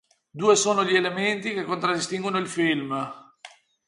Due sono gli elementi che contraddistinguono il film.